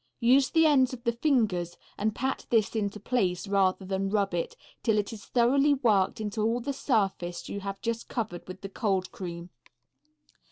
Use the ends of the fingers and pat this into place rather than rub it, till it is thoroughly worked into all the surface you have just covered with the cold cream.